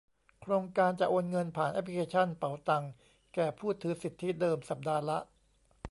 โครงการจะโอนเงินผ่านแอปพลิเคชันเป๋าตังแก่ผู้ถือสิทธิเดิม สัปดาห์ละ